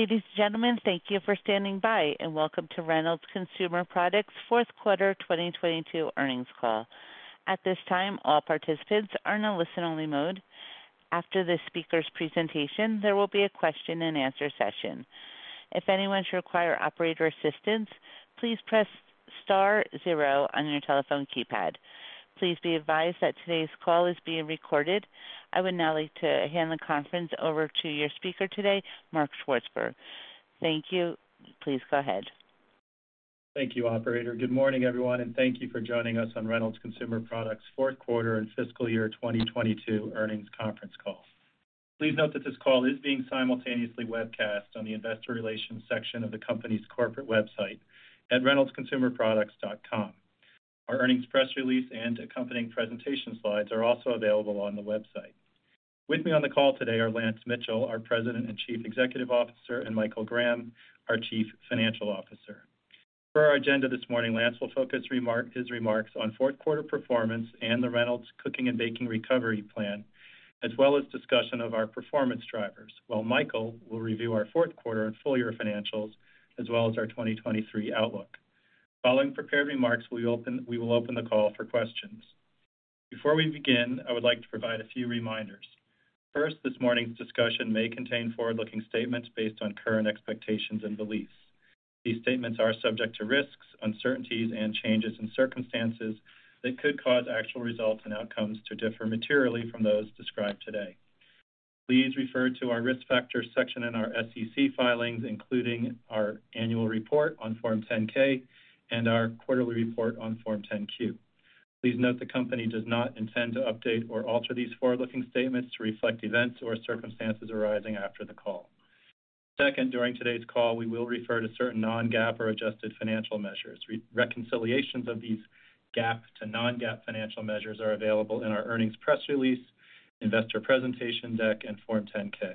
Ladies and gentlemen, thank you for standing by. Welcome to Reynolds Consumer Products fourth quarter 2022 earnings call. At this time, all participants are in a listen-only mode. After the speaker's presentation, there will be a question-and-answer session. If anyone should require operator assistance, please press star zero on your telephone keypad. Please be advised that today's call is being recorded. I would now like to hand the conference over to your speaker today, Mark Swartzberg. Thank you. Please go ahead. Thank you, operator. Good morning, everyone, thank you for joining us on Reynolds Consumer Products fourth quarter and fiscal year 2022 earnings conference call. Please note that this call is being simultaneously webcast on the investor relations section of the company's corporate website at reynoldsconsumerproducts.com. Our earnings press release and accompanying presentation slides are also available on the website. With me on the call today are Lance Mitchell, our President and Chief Executive Officer, and Michael Graham, our Chief Financial Officer. Per our agenda this morning, Lance will focus his remarks on fourth quarter performance and the Reynolds Cooking & Baking recovery plan, as well as discussion of our performance drivers, while Michael will review our fourth quarter and full year financials, as well as our 2023 outlook. Following prepared remarks, we will open the call for questions. Before we begin, I would like to provide a few reminders. This morning's discussion may contain forward-looking statements based on current expectations and beliefs. These statements are subject to risks, uncertainties, and changes in circumstances that could cause actual results and outcomes to differ materially from those described today. Please refer to our risk factors section in our SEC filings, including our annual report on Form 10-K and our quarterly report on Form 10-Q. Please note the company does not intend to update or alter these forward-looking statements to reflect events or circumstances arising after the call. During today's call, we will refer to certain non-GAAP or adjusted financial measures. Reconciliations of these GAAP to non-GAAP financial measures are available in our earnings press release, investor presentation deck, and Form 10-K,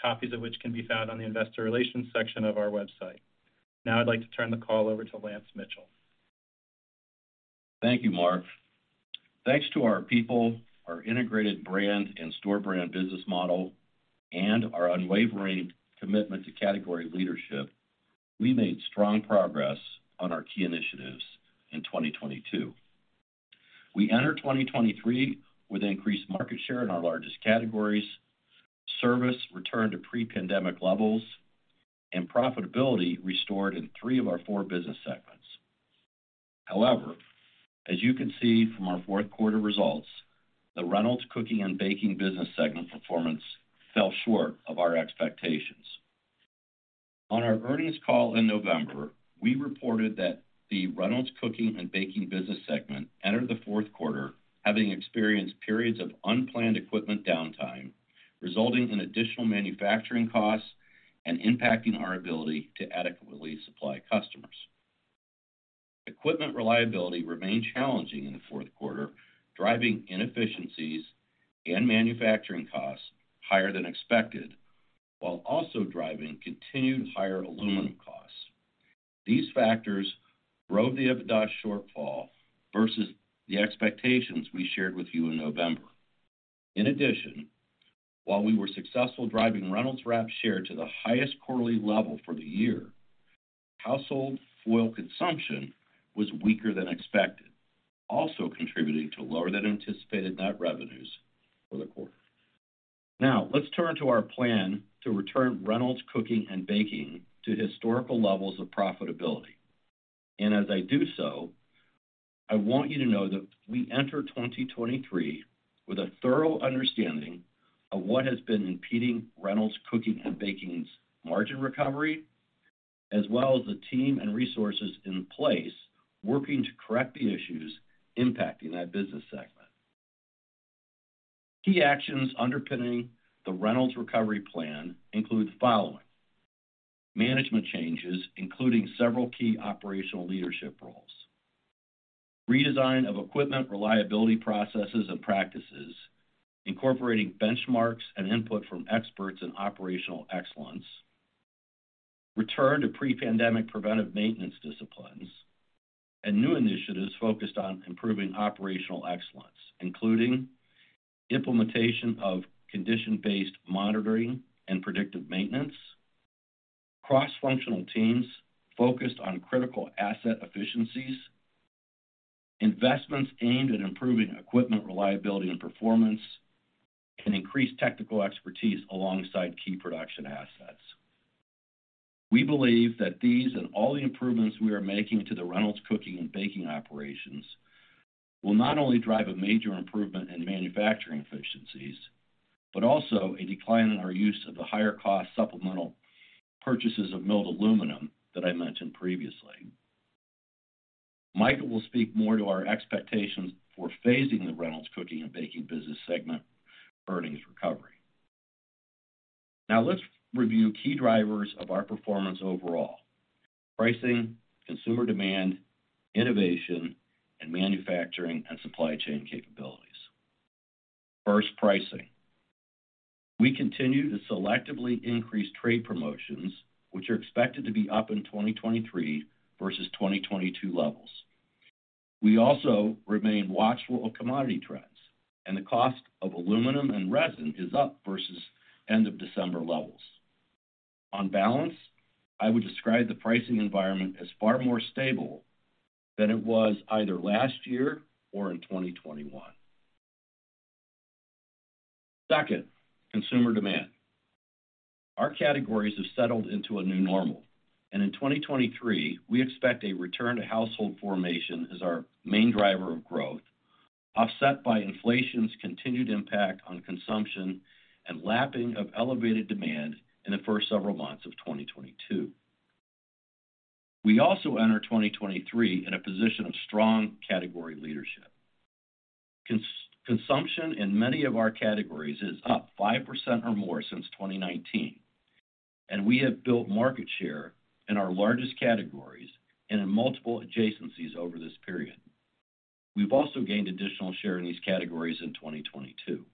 copies of which can be found on the investor relations section of our website. Now I'd like to turn the call over to Lance Mitchell. Thank you, Mark. Thanks to our people, our integrated brand and store brand business model, and our unwavering commitment to category leadership, we made strong progress on our key initiatives in 2022. We enter 2023 with increased market share in our largest categories, service returned to pre-pandemic levels, and profitability restored in three of our four business segments. However, as you can see from our fourth quarter results, the Reynolds Cooking & Baking business segment performance fell short of our expectations. On our earnings call in November, we reported that the Reynolds Cooking & Baking business segment entered the fourth quarter having experienced periods of unplanned equipment downtime, resulting in additional manufacturing costs and impacting our ability to adequately supply customers. Equipment reliability remained challenging in the fourth quarter, driving inefficiencies and manufacturing costs higher than expected, while also driving continued higher aluminum costs. These factors drove the EBITDA shortfall versus the expectations we shared with you in November. While we were successful driving Reynolds Wrap share to the highest quarterly level for the year, household foil consumption was weaker than expected, also contributing to lower than anticipated net revenues for the quarter. Let's turn to our plan to return Reynolds Cooking & Baking to historical levels of profitability. As I do so, I want you to know that we enter 2023 with a thorough understanding of what has been impeding Reynolds Cooking & Baking's margin recovery, as well as the team and resources in place working to correct the issues impacting that business segment. Key actions underpinning the Reynolds recovery plan include the following: Management changes, including several key operational leadership roles. Redesign of equipment reliability processes and practices, incorporating benchmarks and input from experts in operational excellence. Return to pre-pandemic preventive maintenance disciplines. New initiatives focused on improving operational excellence, including implementation of condition-based monitoring and predictive maintenance, cross-functional teams focused on critical asset efficiencies, investments aimed at improving equipment reliability and performance, and increased technical expertise alongside key production assets. We believe that these and all the improvements we are making to the Reynolds Cooking & Baking operations will not only drive a major improvement in manufacturing efficiencies, but also a decline in our use of the higher cost supplemental purchases of milled aluminum that I mentioned previously. Michael will speak more to our expectations for phasing the Reynolds Cooking & Baking business segment earnings recovery. Let's review key drivers of our performance overall: Pricing, consumer demand, innovation, and manufacturing and supply chain capabilities. First, pricing. We continue to selectively increase trade promotions, which are expected to be up in 2023 versus 2022 levels. We also remain watchful of commodity trends and the cost of aluminum and resin is up versus end of December levels. On balance, I would describe the pricing environment as far more stable than it was either last year or in 2021. Second, consumer demand. Our categories have settled into a new normal, and in 2023, we expect a return to household formation as our main driver of growth, offset by inflation's continued impact on consumption and lapping of elevated demand in the first several months of 2022. We also enter 2023 in a position of strong category leadership. Consumption in many of our categories is up 5% or more since 2019. We have built market share in our largest categories and in multiple adjacencies over this period. We've also gained additional share in these categories in 2022.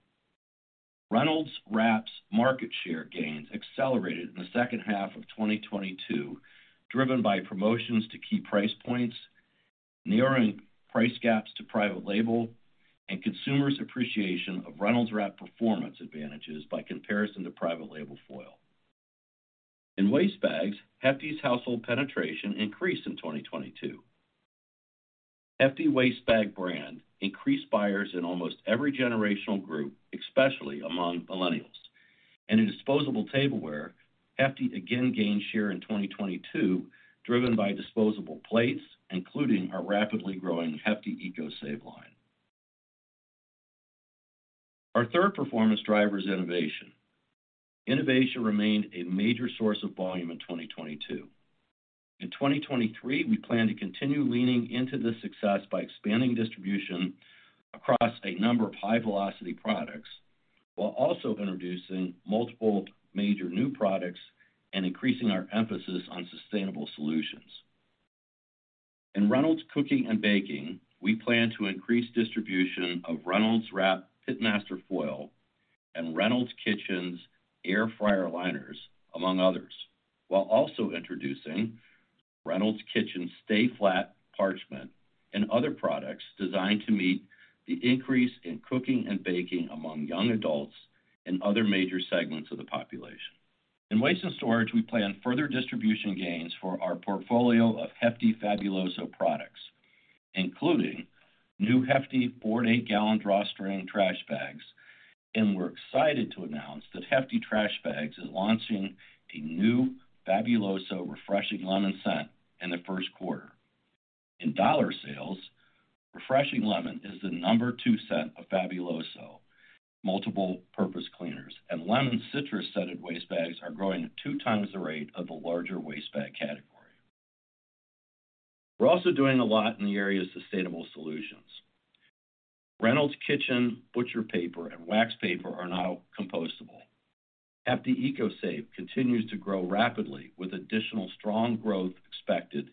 Reynolds Wrap's market share gains accelerated in the second half of 2022, driven by promotions to key price points, narrowing price gaps to private label, and consumers' appreciation of Reynolds Wrap performance advantages by comparison to private label foil. In waste bags, Hefty's household penetration increased in 2022. Hefty Waste Bag brand increased buyers in almost every generational group, especially among millennials. In disposable tableware, Hefty again gained share in 2022, driven by disposable plates, including our rapidly growing Hefty ECOSAVE line. Our third performance driver is innovation. Innovation remained a major source of volume in 2022. In 2023, we plan to continue leaning into this success by expanding distribution across a number of high-velocity products while also introducing multiple major new products and increasing our emphasis on sustainable solutions. In Reynolds Cooking & Baking, we plan to increase distribution of Reynolds Wrap Pitmaster Foil and Reynolds Kitchens Air Fryer Liners, among others, while also introducing Reynolds Kitchens Stay Flat Parchment and other products designed to meet the increase in cooking and baking among young adults and other major segments of the population. In Waste & Storage, we plan further distribution gains for our portfolio of Hefty Fabuloso products, including new Hefty 48 gallon drawstring trash bags. We're excited to announce that Hefty Trash Bags is launching a new Fabuloso Refreshing Lemon scent in the first quarter. In dollar sales, Refreshing Lemon is the number 2 scent of Fabuloso multi-purpose cleaners, and lemon citrus-scented waste bags are growing at 2 times the rate of the larger waste bag category. We're also doing a lot in the area of sustainable solutions. Reynolds Kitchens Butcher Paper and Wax Paper are now compostable. Hefty ECOSAVE continues to grow rapidly with additional strong growth expected,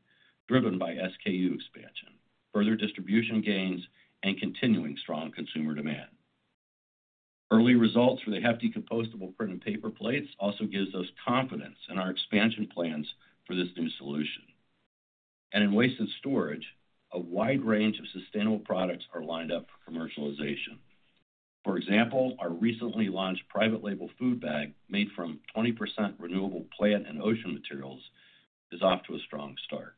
driven by SKU expansion, further distribution gains, and continuing strong consumer demand. Early results for the Hefty Compostable Printed Paper Plates also gives us confidence in our expansion plans for this new solution. In Waste and Storage, a wide range of sustainable products are lined up for commercialization. For example, our recently launched private label food bag, made from 20% renewable plant and ocean materials, is off to a strong start.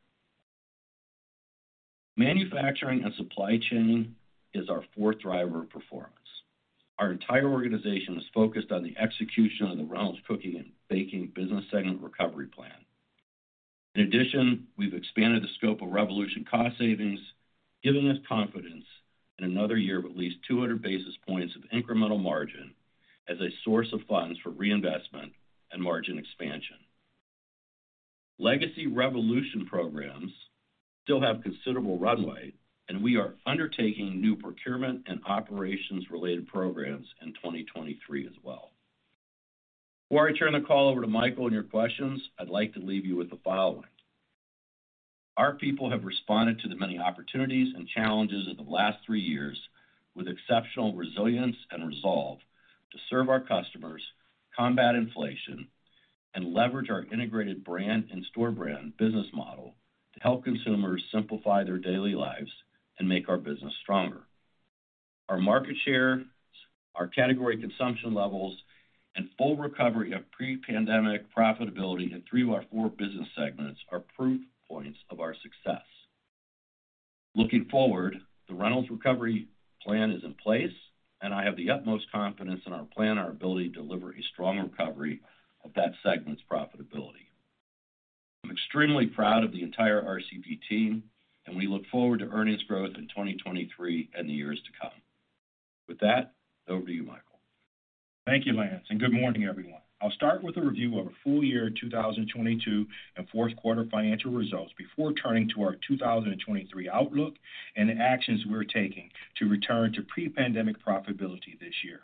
Manufacturing and supply chain is our fourth driver of performance. Our entire organization is focused on the execution of the Reynolds Cooking & Baking business segment recovery plan. We've expanded the scope of Revolution cost savings, giving us confidence in another year of at least 200 basis points of incremental margin as a source of funds for reinvestment and margin expansion. Legacy Revolution programs still have considerable runway, we are undertaking new procurement and operations-related programs in 2023 as well. Before I turn the call over to Michael and your questions, I'd like to leave you with the following. Our people have responded to the many opportunities and challenges of the last three years with exceptional resilience and resolve to serve our customers, combat inflation, and leverage our integrated brand and store brand business model to help consumers simplify their daily lives and make our business stronger. Our market shares, our category consumption levels, and full recovery of pre-pandemic profitability in three of our four business segments are proof points of our success. Looking forward, the Reynolds recovery plan is in place and I have the utmost confidence in our plan and our ability to deliver a strong recovery of that segment's profitability. I'm extremely proud of the entire RCP team and we look forward to earnings growth in 2023 and the years to come. With that, over to you, Michael. Thank you, Lance, and good morning, everyone. I'll start with a review of our full year 2022 and fourth quarter financial results before turning to our 2023 outlook and the actions we're taking to return to pre-pandemic profitability this year.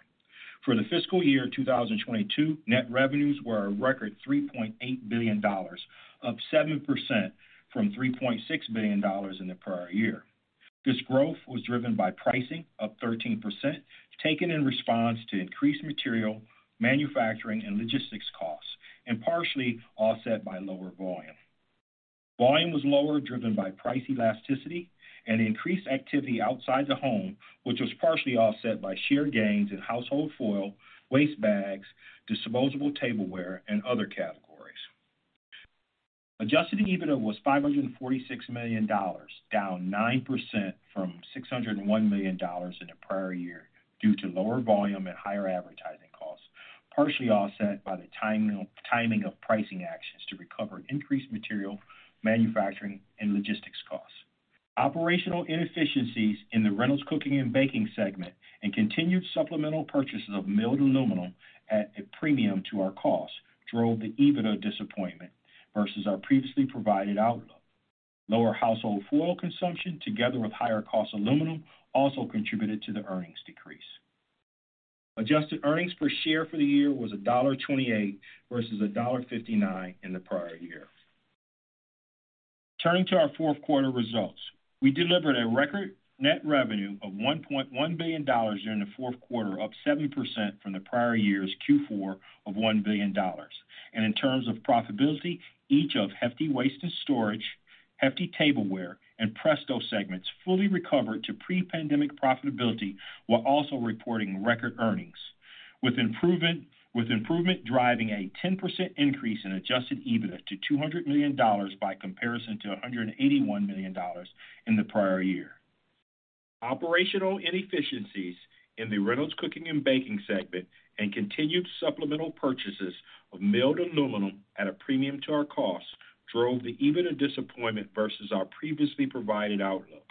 For the fiscal year 2022, net revenues were a record $3.8 billion, up 7% from $3.6 billion in the prior year. This growth was driven by pricing, up 13%, taken in response to increased material, manufacturing, and logistics costs. Partially offset by lower volume. Volume was lower, driven by price elasticity and increased activity outside the home, which was partially offset by share gains in household foil, waste bags, disposable tableware, and other categories. Adjusted EBITDA was $546 million, down 9% from $601 million in the prior year due to lower volume and higher advertising costs, partially offset by the timing of pricing actions to recover increased material manufacturing and logistics costs. Operational inefficiencies in the Reynolds Cooking & Baking segment and continued supplemental purchases of milled aluminum at a premium to our cost drove the EBITDA disappointment versus our previously provided outlook. Lower household foil consumption, together with higher cost aluminum, also contributed to the earnings decrease. Adjusted earnings per share for the year was $1.28 versus $1.59 in the prior year. Turning to our fourth quarter results. We delivered a record net revenue of $1.1 billion during the fourth quarter, up 70% from the prior year's Q4 of $1 billion. In terms of profitability, each of Hefty Waste & Storage, Hefty Tableware, and Presto segments fully recovered to pre-pandemic profitability while also reporting record earnings. With improvement driving a 10% increase in Adjusted EBITDA to $200 million by comparison to $181 million in the prior year. Operational inefficiencies in the Reynolds Cooking & Baking segment and continued supplemental purchases of milled aluminum at a premium to our cost drove the EBITDA disappointment versus our previously provided outlook.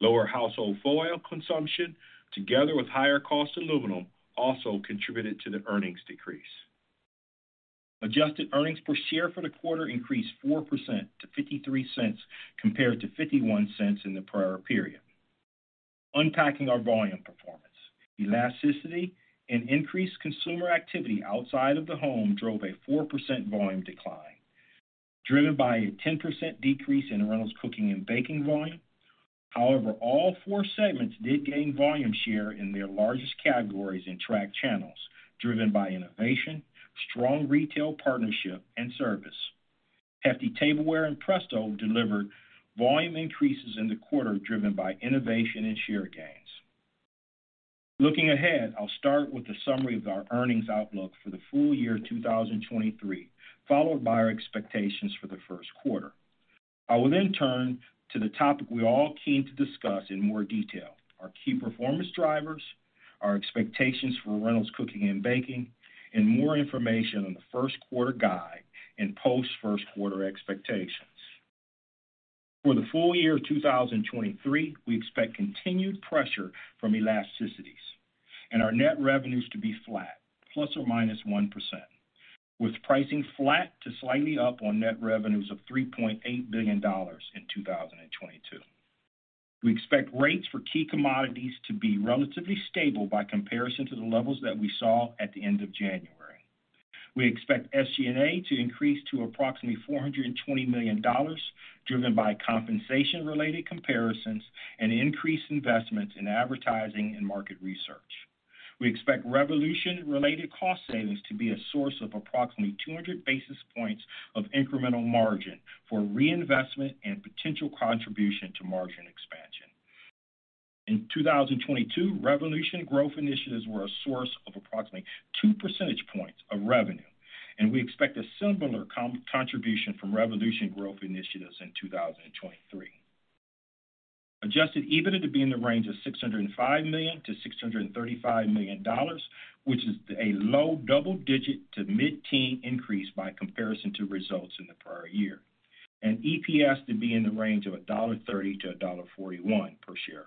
Lower household foil consumption, together with higher cost aluminum, also contributed to the earnings decrease. Adjusted earnings per share for the quarter increased 4% to $0.53, compared to $0.51 in the prior period. Unpacking our volume performance. Elasticity and increased consumer activity outside of the home drove a 4% volume decline, driven by a 10% decrease in Reynolds Cooking & Baking volume. All four segments did gain volume share in their largest categories and track channels, driven by innovation, strong retail partnership, and service. Hefty Tableware and Presto delivered volume increases in the quarter, driven by innovation and share gains. Looking ahead, I'll start with a summary of our earnings outlook for the full year 2023, followed by our expectations for the first quarter. I will turn to the topic we're all keen to discuss in more detail, our key performance drivers, our expectations for Reynolds Cooking & Baking, and more information on the first quarter guide and post first quarter expectations. For the full year 2023, we expect continued pressure from elasticities and our net revenues to be flat, ±1%, with pricing flat to slightly up on net revenues of $3.8 billion in 2022. We expect rates for key commodities to be relatively stable by comparison to the levels that we saw at the end of January. We expect SG&A to increase to approximately $420 million, driven by compensation-related comparisons and increased investments in advertising and market research. We expect Revolution-related cost savings to be a source of approximately 200 basis points of incremental margin for reinvestment and potential contribution to margin expansion. In 2022, Revolution growth initiatives were a source of approximately 2 percentage points of revenue, and we expect a similar contribution from Revolution growth initiatives in 2023. Adjusted EBITDA to be in the range of $605 million-$635 million, which is a low double-digit to mid-teen increase by comparison to results in the prior year. EPS to be in the range of $1.30-$1.41 per share.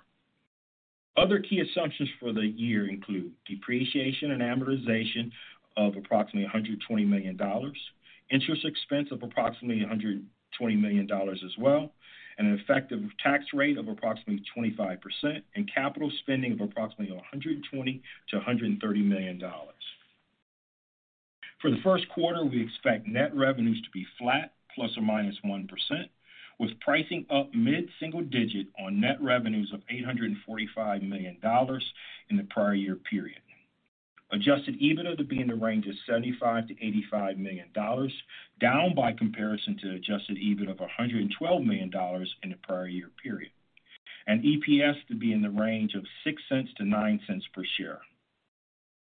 Other key assumptions for the year include depreciation and amortization of approximately $120 million, interest expense of approximately $120 million as well, an effective tax rate of approximately 25%, and capital spending of approximately $120 million-$130 million. For the first quarter, we expect net revenues to be flat, plus or minus 1%, with pricing up mid-single digit on net revenues of $845 million in the prior year period. Adjusted EBITDA to be in the range of $75 million-$85 million, down by comparison to Adjusted EBITDA of $112 million in the prior year period. EPS to be in the range of $0.06-$0.09 per share.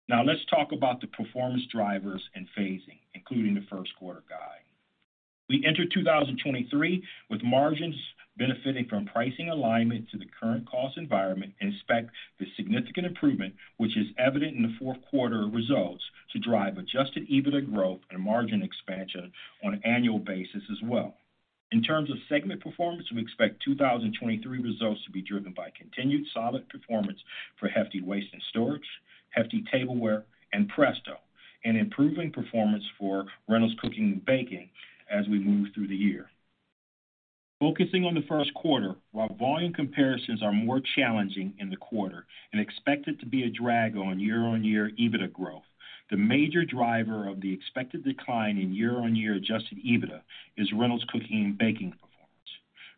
Now let's talk about the performance drivers and phasing, including the first quarter guide. We enter 2023 with margins benefiting from pricing alignment to the current cost environment and expect the significant improvement, which is evident in the fourth quarter results, to drive Adjusted EBITDA growth and margin expansion on an annual basis as well. In terms of segment performance, we expect 2023 results to be driven by continued solid performance for Hefty Waste and Storage, Hefty Tableware, and Presto, and improving performance for Reynolds Cooking and Baking as we move through the year. Focusing on the first quarter. While volume comparisons are more challenging in the quarter and expected to be a drag on year-over-year EBITDA growth, the major driver of the expected decline in year-over-year Adjusted EBITDA is Reynolds Cooking and Baking.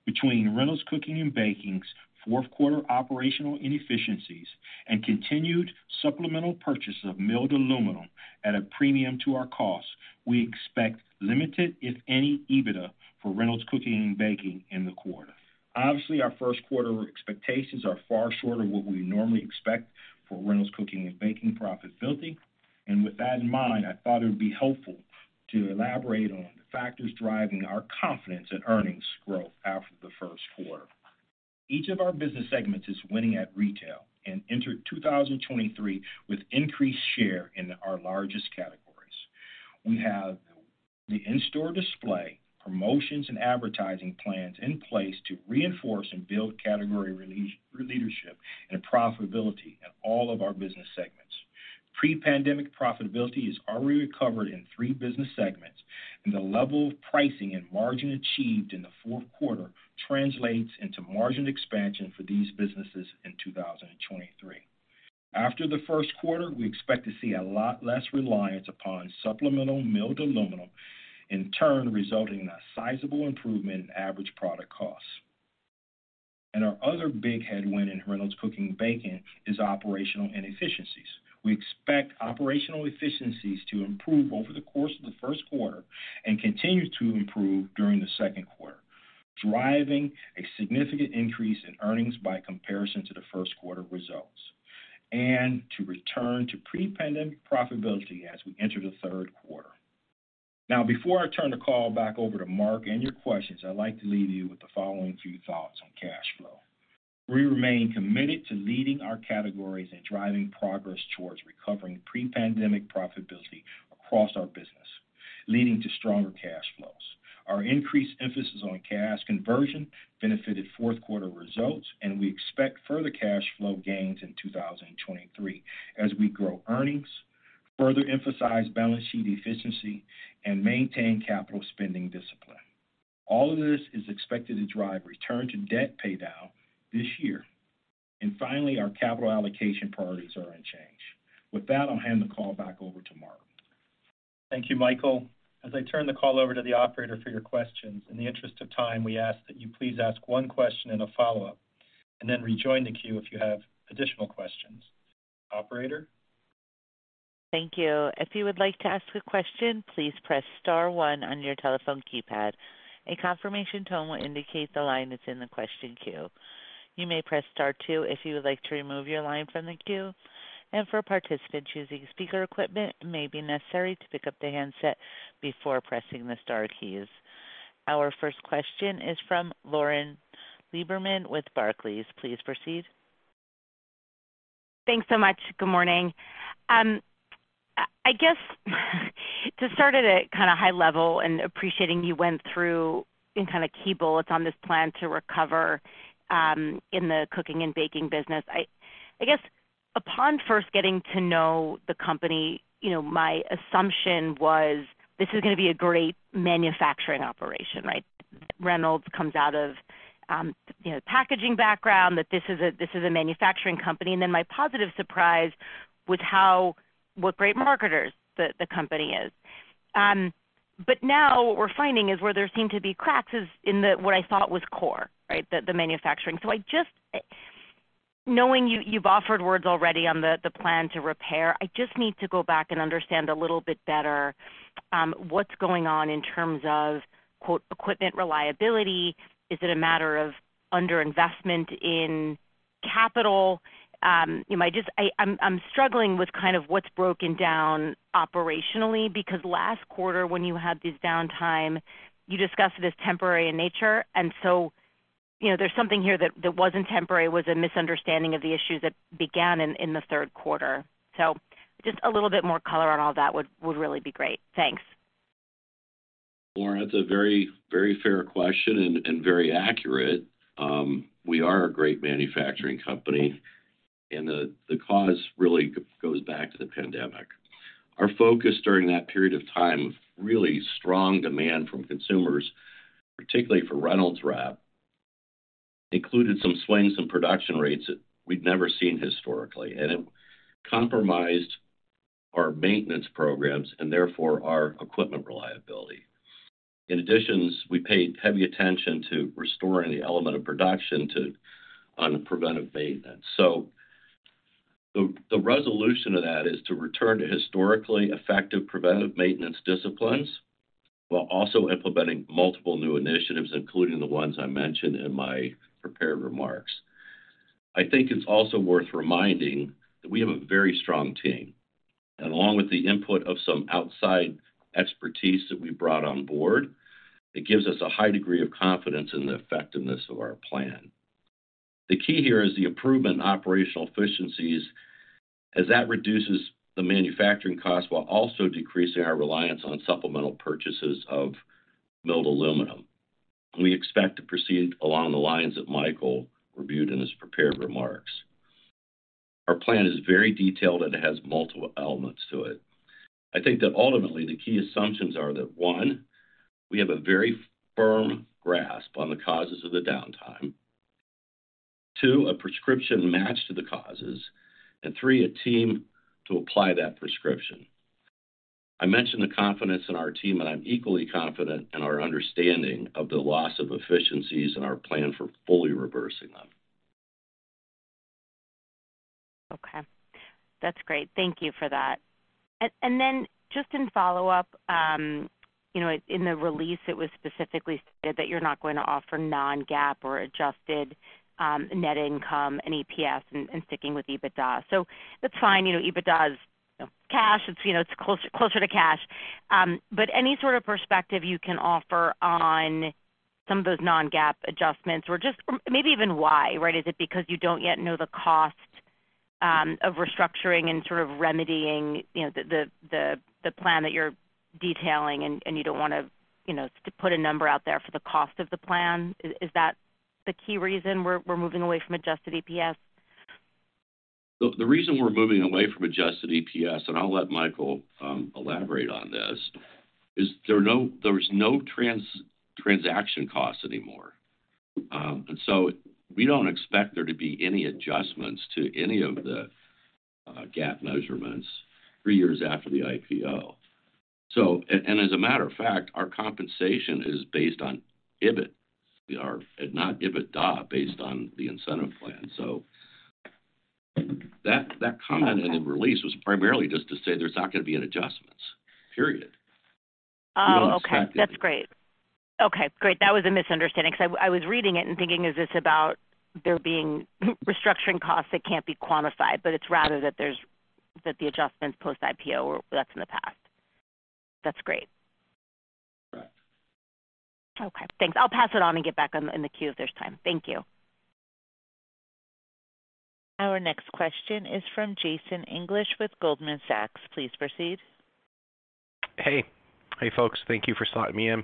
Between Reynolds Cooking and Baking's fourth quarter operational inefficiencies and continued supplemental purchase of milled aluminum at a premium to our costs, we expect limited, if any, EBITDA for Reynolds Cooking and Baking in the quarter. Obviously, our first quarter expectations are far short of what we normally expect for Reynolds Cooking and Baking profitability. With that in mind, I thought it would be helpful to elaborate on the factors driving our confidence in earnings growth after the first quarter. Each of our business segments is winning at retail and entered 2023 with increased share in our largest categories. We have the in-store display, promotions, and advertising plans in place to reinforce and build category leadership and profitability in all of our business segments. Pre-pandemic profitability is already recovered in three business segments, and the level of pricing and margin achieved in the fourth quarter translates into margin expansion for these businesses in 2023. After the first quarter, we expect to see a lot less reliance upon supplemental milled aluminum, in turn, resulting in a sizable improvement in average product costs. Our other big headwind in Reynolds Cooking & Baking is operational inefficiencies. We expect operational efficiencies to improve over the course of the first quarter and continue to improve during the second quarter, driving a significant increase in earnings by comparison to the first quarter results, and to return to pre-pandemic profitability as we enter the third quarter. Now, before I turn the call back over to Mark and your questions, I'd like to leave you with the following few thoughts on cash flow. We remain committed to leading our categories and driving progress towards recovering pre-pandemic profitability across our business, leading to stronger cash flows. Our increased emphasis on cash conversion benefited fourth quarter results, and we expect further cash flow gains in 2023 as we grow earnings, further emphasize balance sheet efficiency, and maintain capital spending discipline. All of this is expected to drive return to debt paydown this year. Finally, our capital allocation priorities are unchanged. With that, I'll hand the call back over to Mark. Thank you, Michael. As I turn the call over to the operator for your questions, in the interest of time, we ask that you please ask one question and a follow-up, and then rejoin the queue if you have additional questions. Operator? Thank you. If you would like to ask a question, please press star one on your telephone keypad. A confirmation tone will indicate the line is in the question queue. You may press Star two if you would like to remove your line from the queue, and for a participant choosing speaker equipment, it may be necessary to pick up the handset before pressing the star keys. Our first question is from Lauren Lieberman with Barclays. Please proceed. Thanks so much. Good morning. I guess to start at a kinda high level and appreciating you went through in kinda key bullets on this plan to recover, in the Cooking & Baking business. I guess upon first getting to know the company, you know, my assumption was this is gonna be a great manufacturing operation, right? Reynolds comes out of, you know, packaging background, that this is a manufacturing company. My positive surprise was how, what great marketers the company is. Now what we're finding is where there seem to be cracks is in the what I thought was core, right? The manufacturing. I just, knowing you've offered words already on the plan to repair, I just need to go back and understand a little bit better what's going on in terms of quote, "equipment reliability." Is it a matter of underinvestment in capital? Am I struggling with kind of what's broken down operationally, because last quarter when you had this downtime, you discussed it as temporary in nature. You know, there's something here that wasn't temporary, was a misunderstanding of the issues that began in the third quarter. Just a little bit more color on all that would really be great. Thanks. Lauren, that's a very, very fair question and very accurate. We are a great manufacturing company, and the cause really goes back to the pandemic. Our focus during that period of time, really strong demand from consumers, particularly for Reynolds Wrap, included some swings in production rates that we'd never seen historically, and it compromised our maintenance programs and therefore our equipment reliability. In addition, we paid heavy attention to restoring the element of production on preventive maintenance. The resolution to that is to return to historically effective preventive maintenance disciplines while also implementing multiple new initiatives, including the ones I mentioned in my prepared remarks. I think it's also worth reminding that we have a very strong team. Along with the input of some outside expertise that we brought on board, it gives us a high degree of confidence in the effectiveness of our plan. The key here is the improvement in operational efficiencies, as that reduces the manufacturing costs while also decreasing our reliance on supplemental purchases of milled aluminum. We expect to proceed along the lines that Michael reviewed in his prepared remarks. Our plan is very detailed and has multiple elements to it. I think that ultimately the key assumptions are that, one, we have a very firm grasp on the causes of the downtime. 2, a prescription matched to the causes. 3, a team to apply that prescription. I mentioned the confidence in our team, and I'm equally confident in our understanding of the loss of efficiencies and our plan for fully reversing them. Okay. That's great. Thank you for that. Just in follow-up, you know, in the release, it was specifically stated that you're not going to offer non-GAAP or adjusted net income and EPS and sticking with EBITDA. That's fine. You know, EBITDA is, you know, cash. It's, you know, it's closer to cash. Any sort of perspective you can offer on some of those non-GAAP adjustments or just maybe even why, right? Is that because you don't yet know the cost of restructuring and sort of remedying, you know, the plan that you're detailing and you don't wanna, you know, to put a number out there for the cost of the plan? Is that the key reason we're moving away from adjusted EPS? The reason we're moving away from adjusted EPS, and I'll let Michael elaborate on this, is there's no transaction costs anymore. We don't expect there to be any adjustments to any of the GAAP measurements 3 years after the IPO. As a matter of fact, our compensation is based on EBIT, not EBITDA, based on the incentive plan. That, that comment in the release was primarily just to say there's not gonna be any adjustments, period. Oh, okay. That's great. Okay, great. That was a misunderstanding because I was reading it and thinking, is this about there being restructuring costs that can't be quantified, but it's rather that there's that the adjustments post-IPO, that's in the past. That's great. Right. Okay, thanks. I'll pass it on and get back on, in the queue if there's time. Thank you. Our next question is from Jason English with Goldman Sachs. Please proceed. Hey. Hey, folks. Thank you for slotting me in.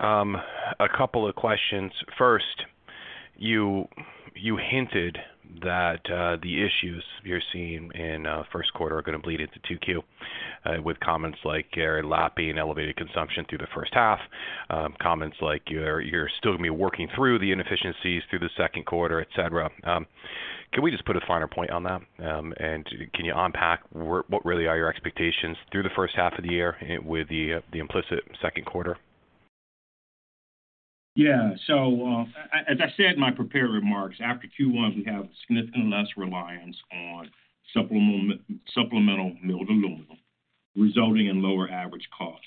A couple of questions. First, you hinted that the issues you're seeing in first quarter are gonna bleed into 2Q with comments like carry lapping elevated consumption through the first half, comments like you're still gonna be working through the inefficiencies through the second quarter, et cetera. Can we just put a finer point on that? Can you unpack what really are your expectations through the first half of the year with the implicit second quarter? As I said in my prepared remarks, after Q1, we have significantly less reliance on supplemental milled aluminum, resulting in lower average cost.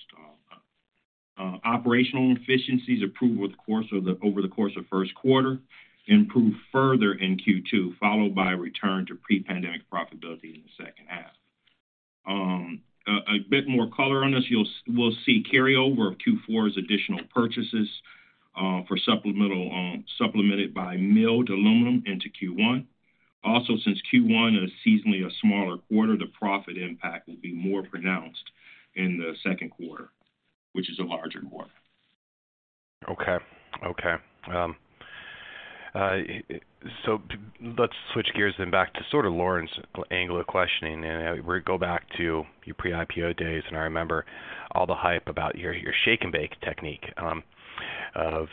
Operational efficiencies improve over the course of 1st quarter, improve further in Q2, followed by a return to pre-pandemic profitability in the 2nd half. A bit more color on this. We'll see carryover of Q4's additional purchases for supplemental supplemented by milled aluminum into Q1. Since Q1 is seasonally a smaller quarter, the profit impact will be more pronounced in the 2nd quarter, which is a larger quarter. Okay. Okay. So let's switch gears then back to sort of Lauren's angle of questioning. We go back to your pre-IPO days, and I remember all the hype about your shake-and-bake technique, of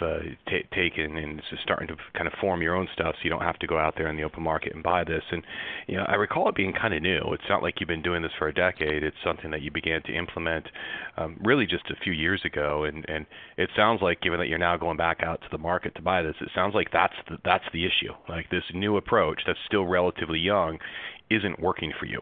taking and starting to kind of form your own stuff so you don't have to go out there in the open market and buy this. You know, I recall it being kind of new. It's not like you've been doing this for a decade. It's something that you began to implement really just a few years ago. And it sounds like given that you're now going back out to the market to buy this, it sounds like that's the issue. Like, this new approach that's still relatively young isn't working for you.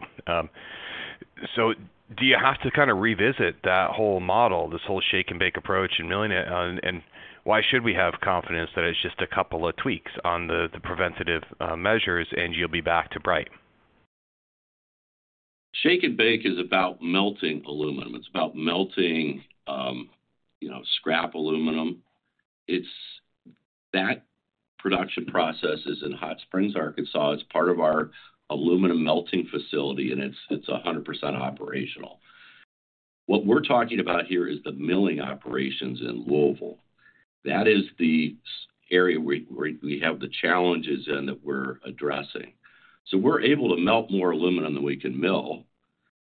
Do you have to kind of revisit that whole model, this whole shake-and-bake approach and milling it, and why should we have confidence that it's just a couple of tweaks on the preventative measures and you'll be back to bright? Shake-and-bake is about melting aluminum. It's about melting, you know, scrap aluminum. That production process is in Hot Springs, Arkansas. It's part of our aluminum melting facility, and it's 100% operational. What we're talking about here is the milling operations in Louisville. That is the area where we have the challenges in that we're addressing. We're able to melt more aluminum than we can mill,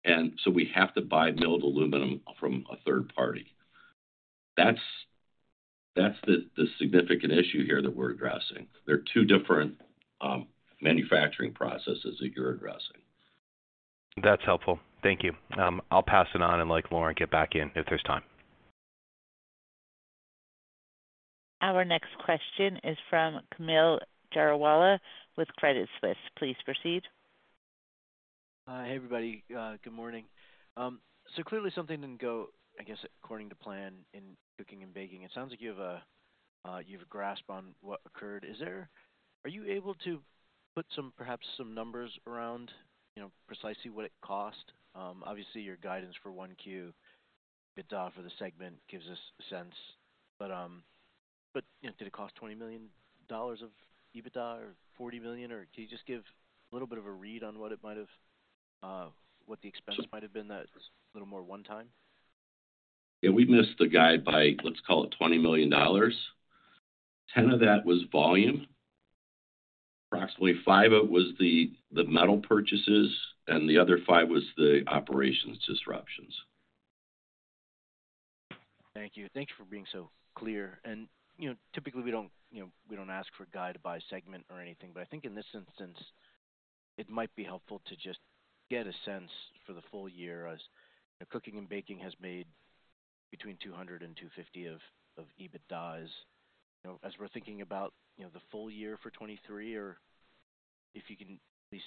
and so we have to buy milled aluminum from a third party. That's the significant issue here that we're addressing. They're two different manufacturing processes that you're addressing. That's helpful. Thank you. I'll pass it on and let Lauren get back in if there's time. Our next question is from Kaumil Gajrawala with Credit Suisse. Please proceed. Everybody. Good morning. Clearly something didn't go, I guess, according to plan in cooking and baking. It sounds like you have a grasp on what occurred. Are you able to put some, perhaps some numbers around, you know, precisely what it cost? Obviously your guidance for 1Q EBITDA for the segment gives us a sense. You know, did it cost $20 million of EBITDA or $40 million? Can you just give a little bit of a read on what it might have, what the expense might have been that's a little more one-time? Yeah, we missed the guide by, let's call it $20 million. 10 of that was volume. Approximately 5 of it was the metal purchases, the other 5 was the operations disruptions. Thank you. Thank you for being so clear. You know, typically, we don't, you know, we don't ask for guide to buy segment or anything, but I think in this instance, it might be helpful to just get a sense for the full year as, you know, Cooking & Baking has made between $200 million and $250 million of EBITDA as, you know, as we're thinking about, you know, the full year for 2023, or if you can at least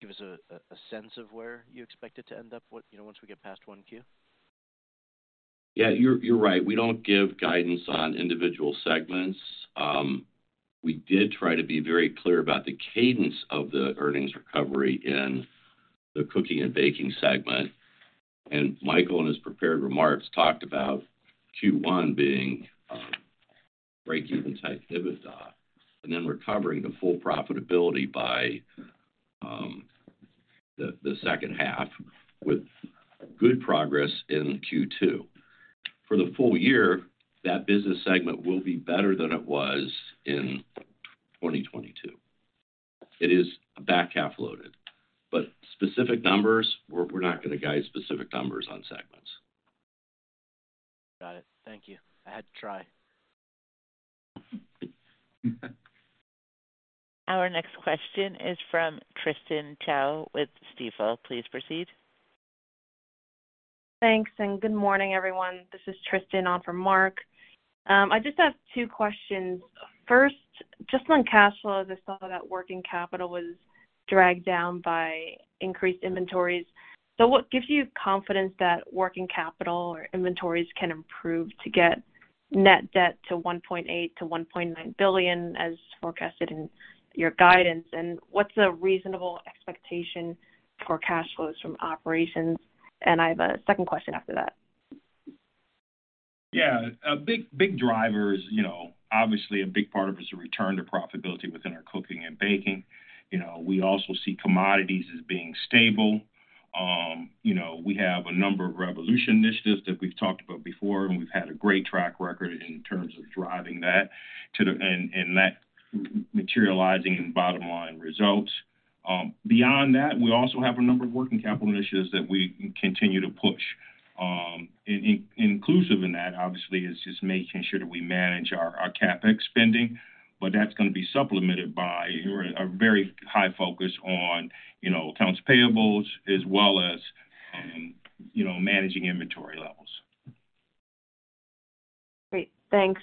give us a sense of where you expect it to end up, what, you know, once we get past 1Q. Yeah, you're right. We don't give guidance on individual segments. We did try to be very clear about the cadence of the earnings recovery in the cooking and baking segment. Michael, in his prepared remarks, talked about Q1 being breakeven type EBITDA and then recovering to full profitability by the second half with good progress in Q2. For the full year, that business segment will be better than it was in 2022. It is back half loaded. Specific numbers, we're not gonna guide specific numbers on segments. Got it. Thank you. I had to try. Our next question is from [Tristen Chau] with Stifel. Please proceed. Thanks. Good morning, everyone. This is Tristan on for Mark. I just have 2 questions. First, just on cash flow, I just saw that working capital was dragged down by increased inventories. What gives you confidence that working capital or inventories can improve to get net debt to $1.8 billion-$1.9 billion as forecasted in your guidance? What's a reasonable expectation for cash flows from operations? I have a second question after that. A big, big driver is, you know, obviously a big part of it is a return to profitability within our Cooking & Baking, you know, we also see commodities as being stable. You know, we have a number of Revolution initiatives that we've talked about before, and we've had a great track record in terms of driving that and that materializing in bottom line results. Beyond that, we also have a number of working capital initiatives that we continue to push. Inclusive in that, obviously, is just making sure that we manage our CapEx spending, but that's gonna be supplemented by a very high focus on, you know, accounts payables as well as, you know, managing inventory levels. Great. Thanks.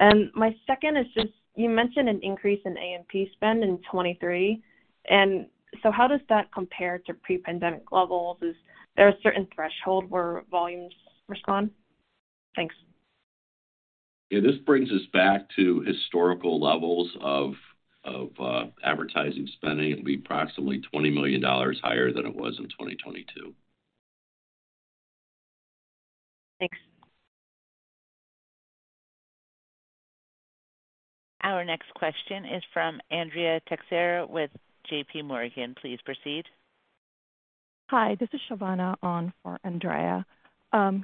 My second is just, you mentioned an increase in A&P spend in 2023. How does that compare to pre-pandemic levels? Is there a certain threshold where volumes respond? Thanks. Yeah. This brings us back to historical levels of advertising spending. It'll be approximately $20 million higher than it was in 2022. Thanks. Our next question is from Andrea Teixeira with JP Morgan. Please proceed. Hi, this is Shovana on for Andrea.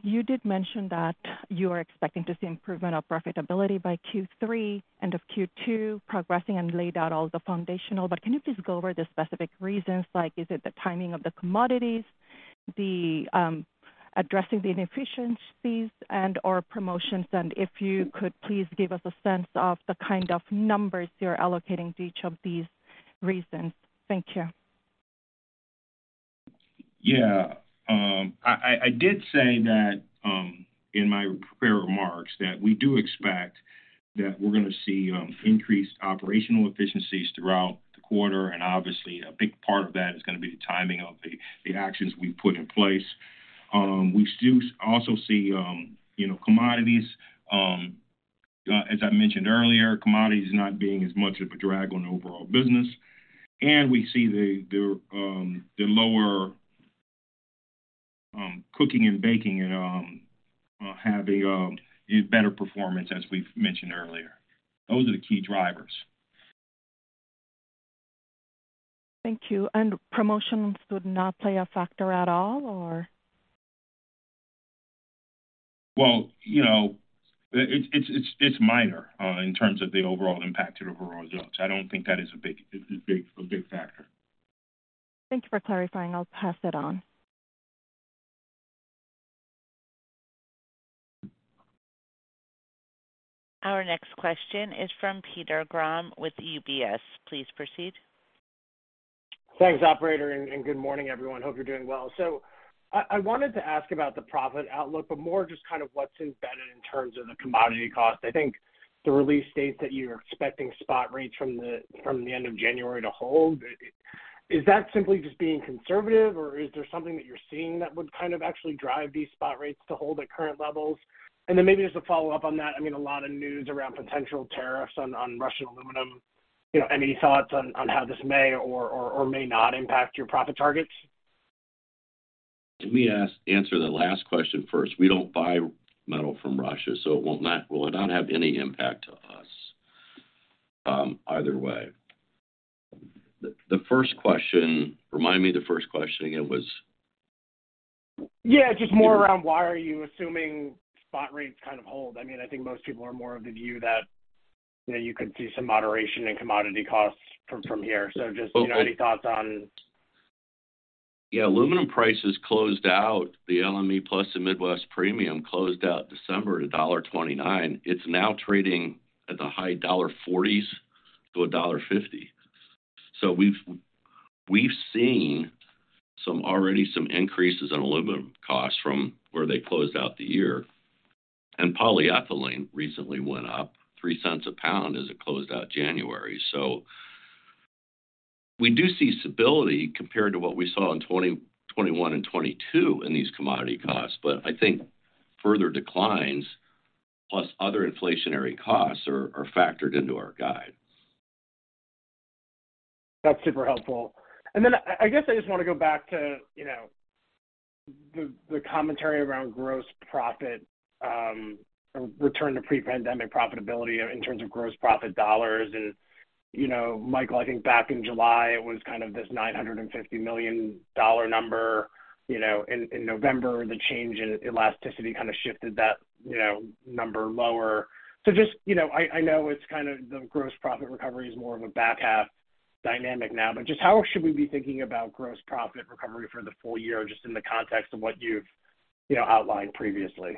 You did mention that you are expecting to see improvement of profitability by Q3 end of Q2, progressing and laid out all the foundational. Can you please go over the specific reasons, like is it the timing of the commodities, the addressing the inefficiencies and/or promotions? If you could please give us a sense of the kind of numbers you're allocating to each of these reasons. Thank you. I did say that in my prepared remarks that we do expect that we're gonna see increased operational efficiencies throughout the quarter, and obviously a big part of that is gonna be the timing of the actions we put in place. We do also see, you know, as I mentioned earlier, commodities not being as much of a drag on overall business, and we see the lower Reynolds Cooking & Baking and having a better performance as we've mentioned earlier. Those are the key drivers. Thank you. Promotions would not play a factor at all, or? Well, you know, it's minor, in terms of the overall impact to the overall results. I don't think that is a big factor. Thank you for clarifying. I'll pass it on. Our next question is from Peter Grom with UBS. Please proceed. Thanks, operator, and good morning, everyone. Hope you're doing well. I wanted to ask about the profit outlook, but more just kind of what's embedded in terms of the commodity cost. I think the release states that you're expecting spot rates from the end of January to hold. Is that simply just being conservative, or is there something that you're seeing that would kind of actually drive these spot rates to hold at current levels? I mean, a lot of news around potential tariffs on Russian aluminum. Any thoughts on how this may or may not impact your profit targets? Let me answer the last question first. We don't buy metal from Russia. It will not have any impact to us either way. First question, remind me the first question again was? Yeah, just more around why are you assuming spot rates kind of hold? I mean, I think most people are more of the view that, you know, you could see some moderation in commodity costs from here. Okay. You know, any thoughts on... Aluminum prices closed out the LME plus the Midwest Premium closed out December at $1.29. It's now trading at the high $1.40s to $1.50. We've seen some already some increases in aluminum costs from where they closed out the year. Polyethylene recently went up $0.03 a pound as it closed out January. We do see stability compared to what we saw in 2021 and 2022 in these commodity costs. I think further declines plus other inflationary costs are factored into our guide. That's super helpful. Then I guess I just wanna go back to, you know, the commentary around gross profit, return to pre-pandemic profitability in terms of gross profit dollars. You know, Michael, I think back in July, it was kind of this $950 million number. You know, in November, the change in elasticity kind of shifted that, you know, number lower. Just, you know, I know it's kind of the gross profit recovery is more of a back half dynamic now, but just how should we be thinking about gross profit recovery for the full year, just in the context of what you've, you know, outlined previously?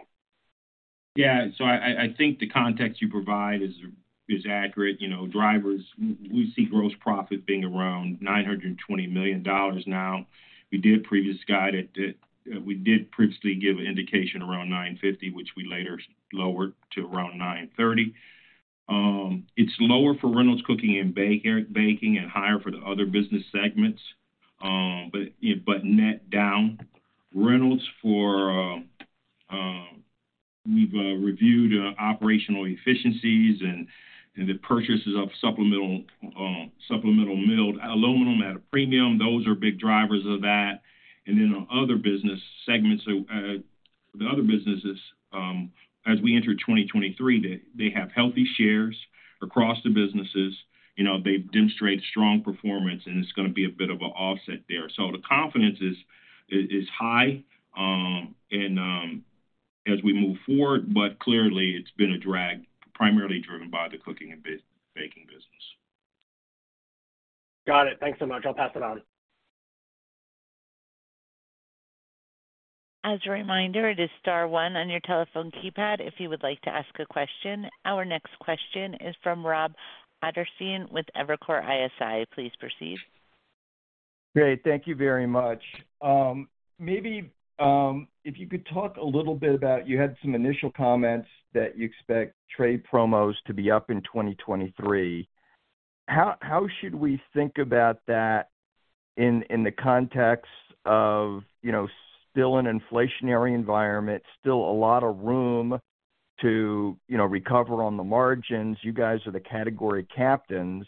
Yeah. I think the context you provide is accurate. You know, drivers, we see gross profit being around $920 million now. We did previously give an indication around $950, which we later lowered to around $930. It's lower for Reynolds Cooking & Baking and higher for the other business segments. Net down. Reynolds for, we've reviewed operational efficiencies and the purchases of supplemental milled aluminum at a premium. Those are big drivers of that. Our other business segments, the other businesses, as we enter 2023, they have healthy shares across the businesses. You know, they've demonstrated strong performance, and it's gonna be a bit of a offset there. The confidence is high, and as we move forward, but clearly it's been a drag primarily driven by the Cooking & Baking business. Got it. Thanks so much. I'll pass it on. As a reminder, it is star one on your telephone keypad if you would like to ask a question. Our next question is from Rob Ottenstein with Evercore ISI. Please proceed. Great. Thank you very much. Maybe, if you could talk a little bit about, you had some initial comments that you expect trade promos to be up in 2023. How should we think about that in the context of, you know, still an inflationary environment, still a lot of room to, you know, recover on the margins? You guys are the category captains.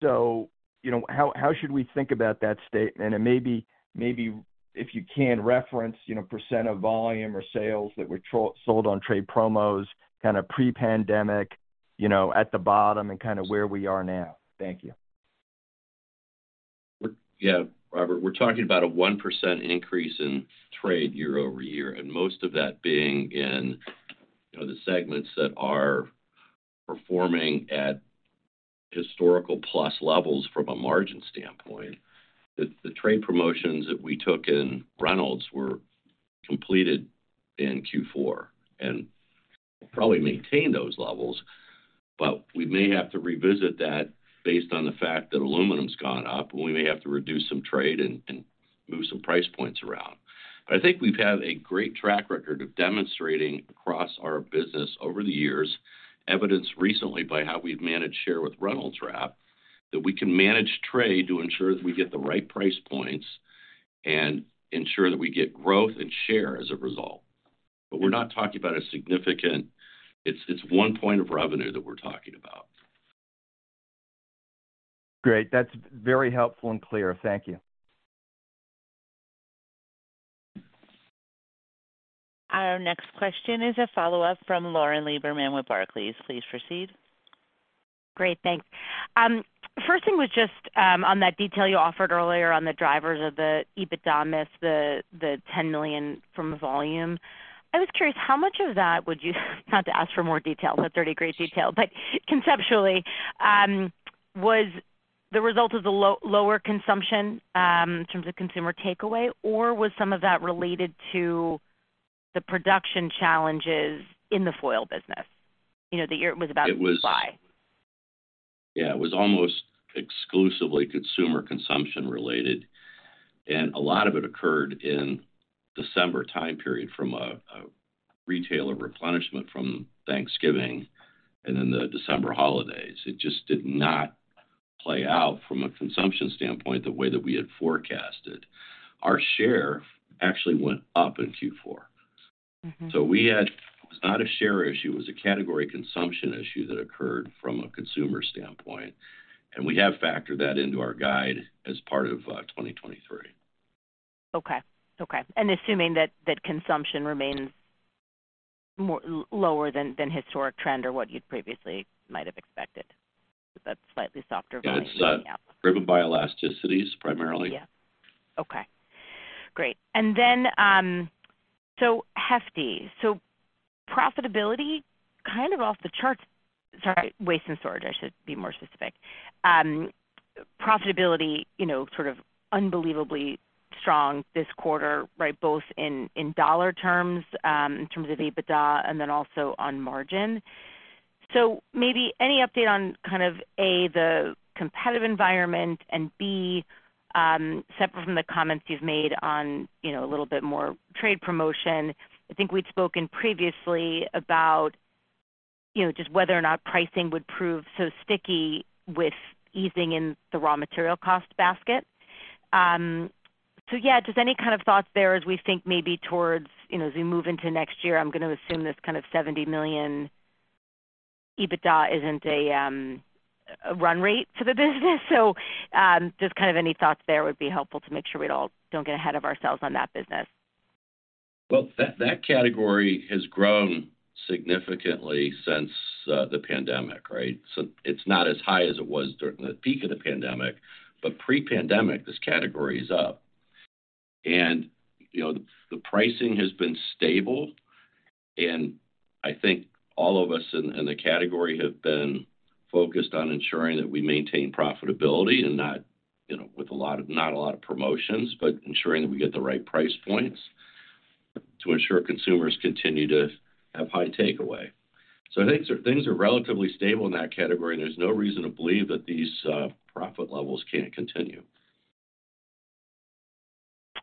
You know, how should we think about that state? Maybe, if you can reference, you know, % of volume or sales that were sold on trade promos, kinda pre-pandemic, you know, at the bottom and kinda where we are now. Thank you. Yeah. Robert, we're talking about a 1% increase in trade year-over-year, and most of that being in, you know, the segments that are performing at historical plus levels from a margin standpoint. The trade promotions that we took in Reynolds were completed in Q4, and probably maintain those levels, but we may have to revisit that based on the fact that aluminum's gone up, and we may have to reduce some trade and move some price points around. I think we've had a great track record of demonstrating across our business over the years, evidenced recently by how we've managed share with Reynolds Wrap, that we can manage trade to ensure that we get the right price points and ensure that we get growth and share as a result. We're not talking about a significant...It's one point of revenue that we're talking about. Great. That's very helpful and clear. Thank you. Our next question is a follow-up from Lauren Lieberman with Barclays. Please proceed. Great. Thanks. First thing was just on that detail you offered earlier on the drivers of the EBITDA miss, the $10 million from volume. I was curious, how much of that would you, not to ask for more detail, the 30 great detail, but conceptually, was the result of the lower consumption in terms of consumer takeaway, or was some of that related to the production challenges in the foil business? You know, the year it was about supply. Yeah, it was almost exclusively consumer consumption related, and a lot of it occurred in December time period from a retailer replenishment from Thanksgiving and then the December holidays. It just did not play out from a consumption standpoint the way that we had forecasted. Our share actually went up in Q4. Mm-hmm. It was not a share issue, it was a category consumption issue that occurred from a consumer standpoint, and we have factored that into our guide as part of, 2023. Okay. Okay. Assuming that consumption remains lower than historic trend or what you'd previously might have expected, that slightly softer volume. It's driven by elasticities primarily. Okay. Great. Then Hefty. Profitability kind of off the charts. Sorry, Waste & Storage, I should be more specific. Profitability, you know, sort of unbelievably strong this quarter, right? Both in dollar terms, in terms of EBITDA and then also on margin. Maybe any update on kind of A, the competitive environment and B, separate from the comments you've made on, you know, a little bit more trade promotion. I think we'd spoken previously about, you know, just whether or not pricing would prove so sticky with easing in the raw material cost basket. Yeah, just any kind of thoughts there as we think maybe towards, you know, as we move into next year, I'm gonna assume this kind of $70 million EBITDA isn't a run rate to the business. Just kind of any thoughts there would be helpful to make sure we don't get ahead of ourselves on that business. Well, that category has grown significantly since the pandemic, right? It's not as high as it was during the peak of the pandemic, but pre-pandemic, this category is up. You know, the pricing has been stable, and I think all of us in the category have been focused on ensuring that we maintain profitability and not, you know, with not a lot of promotions, but ensuring that we get the right price points to ensure consumers continue to have high takeaway. I think things are relatively stable in that category, and there's no reason to believe that these profit levels can't continue.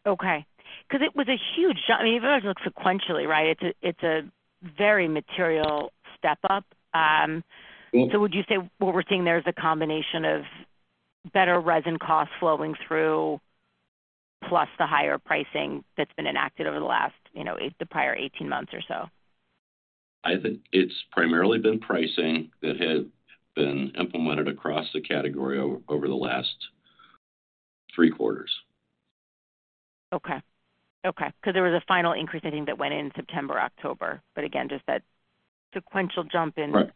Okay. 'Cause it was a huge jump. I mean, even if you look sequentially, right? It's a very material step-up. Mm. Would you say what we're seeing there is a combination of better resin costs flowing through plus the higher pricing that's been enacted over the last, you know, the prior 18 months or so? I think it's primarily been pricing that has been implemented across the category over the last 3 quarters. Okay. Okay. 'Cause there was a final increase, I think, that went in September, October. Again, just that sequential jump in- Right.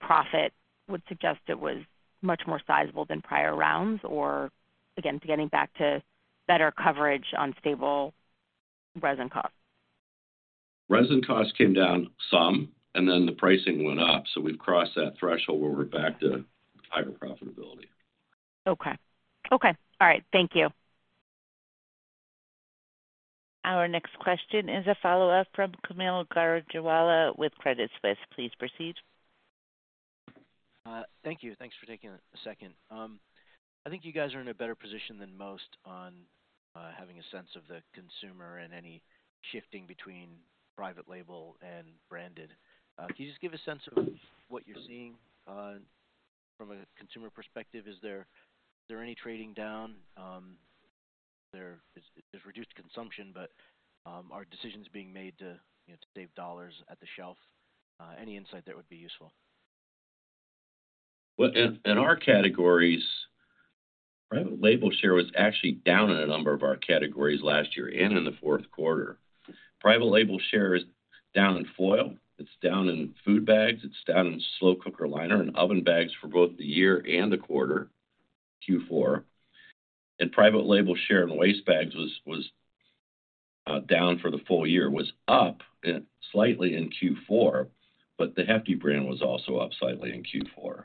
-profit would suggest it was much more sizable than prior rounds, or again, getting back to better coverage on stable resin costs. Resin costs came down some, and then the pricing went up, so we've crossed that threshold where we're back to higher profitability. Okay. Okay. All right. Thank you. Our next question is a follow-up from Kaumil Gajrawala with Credit Suisse. Please proceed. Thank you. Thanks for taking a second. I think you guys are in a better position than most on having a sense of the consumer and any shifting between private label and branded. Can you just give a sense of what you're seeing from a consumer perspective? Is there any trading down there? There's reduced consumption, but are decisions being made to, you know, to save dollars at the shelf? Any insight there would be useful. In our categories, private label share was actually down in a number of our categories last year and in the fourth quarter. Private label share is down in foil, it's down in food bags, it's down in slow cooker liner and oven bags for both the year and the quarter, Q4. Private label share in waste bags was down for the full year, was up slightly in Q4, but the Hefty brand was also up slightly in Q4.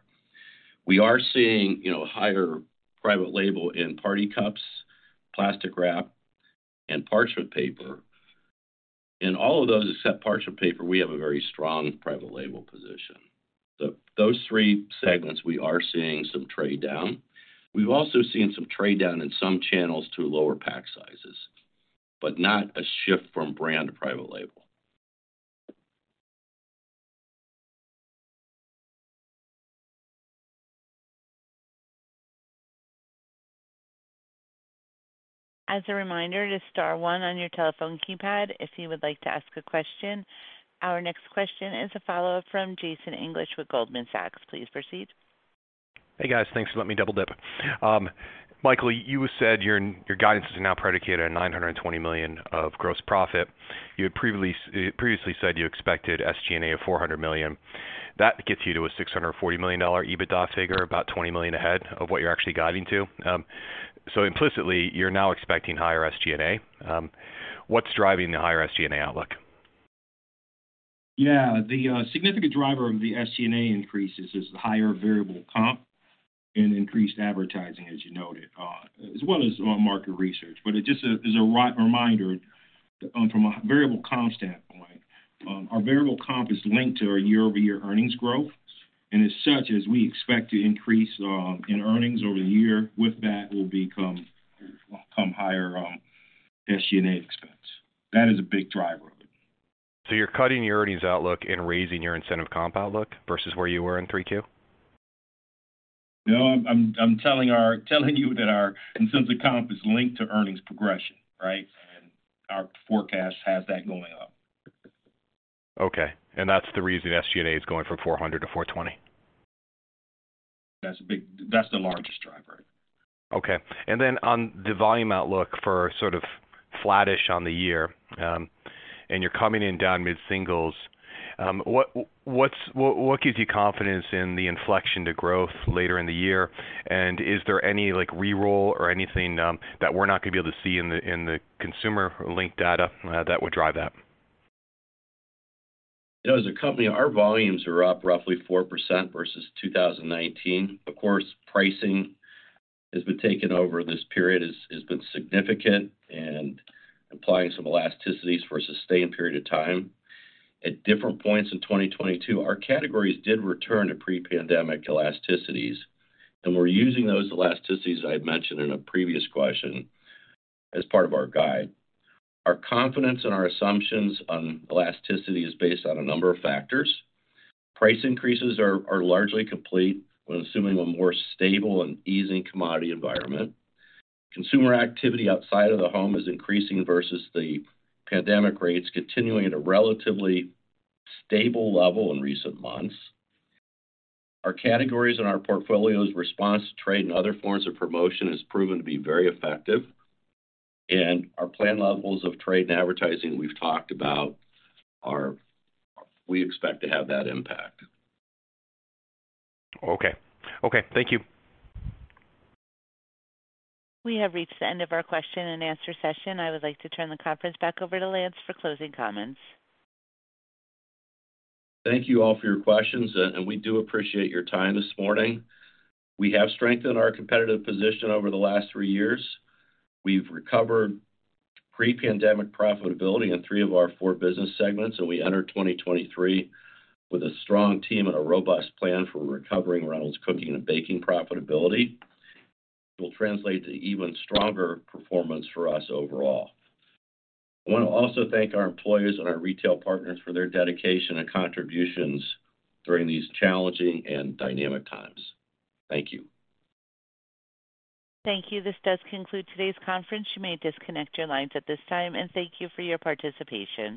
We are seeing, you know, higher private label in party cups, plastic wrap, and parchment paper. In all of those, except parchment paper, we have a very strong private label position. Those three segments, we are seeing some trade-down. We've also seen some trade-down in some channels to lower pack sizes, but not a shift from brand to private label. As a reminder to star one on your telephone keypad if you would like to ask a question. Our next question is a follow-up from Jason English with Goldman Sachs. Please proceed. Hey, guys. Thanks for letting me double-dip. Michael, you said your guidance is now predicated at $920 million of gross profit. You had previously said you expected SG&A of $400 million. That gets you to a $640 million EBITDA figure, about $20 million ahead of what you're actually guiding to. Implicitly, you're now expecting higher SG&A. What's driving the higher SG&A outlook? Yeah. The significant driver of the SG&A increases is the higher variable comp and increased advertising, as you noted, as well as market research. It just is a reminder, from a variable comp standpoint, our variable comp is linked to our year-over-year earnings growth. As such, as we expect to increase in earnings over the year, with that will come higher SG&A expense. That is a big driver of it. You're cutting your earnings outlook and raising your incentive comp outlook versus where you were in 3Q? No, I'm telling you that our incentive comp is linked to earnings progression, right? Our forecast has that going up. Okay. That's the reason SG&A is going from $400-$420. That's the largest driver. Okay. On the volume outlook for sort of flattish on the year, and you're coming in down mid-singles. What gives you confidence in the inflection to growth later in the year? Is there any, like, re-roll or anything that we're not gonna be able to see in the consumer link data that would drive that? You know, as a company, our volumes are up roughly 4% versus 2019. Of course, pricing has been taken over this period, has been significant and implying some elasticities for a sustained period of time. At different points in 2022, our categories did return to pre-pandemic elasticities, and we're using those elasticities I had mentioned in a previous question as part of our guide. Our confidence and our assumptions on elasticity is based on a number of factors. Price increases are largely complete. We're assuming a more stable and easing commodity environment. Consumer activity outside of the home is increasing versus the pandemic rates, continuing at a relatively stable level in recent months. Our categories and our portfolio's response to trade and other forms of promotion has proven to be very effective. Our plan levels of trade and advertising we've talked about we expect to have that impact. Okay. Okay, thank you. We have reached the end of our question-and-answer session. I would like to turn the conference back over to Lance for closing comments. Thank you all for your questions, and we do appreciate your time this morning. We have strengthened our competitive position over the last three years. We've recovered pre-pandemic profitability in three of our four business segments, and we enter 2023 with a strong team and a robust plan for recovering Reynolds Cooking & Baking profitability. It will translate to even stronger performance for us overall. I wanna also thank our employees and our retail partners for their dedication and contributions during these challenging and dynamic times. Thank you. Thank you. This does conclude today's conference. You may disconnect your lines at this time, and thank you for your participation.